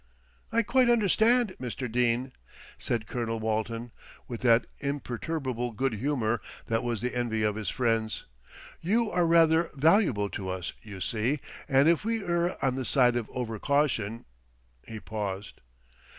"I quite understand, Mr. Dene," said Colonel Walton, with that imperturbable good humour that was the envy of his friends. "You are rather valuable to us, you see, and if we err on the side of over caution " He paused.